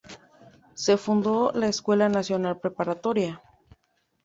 Se fundó la Escuela Nacional Preparatoria.